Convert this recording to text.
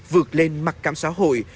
vượt lên mặt cảm xã hội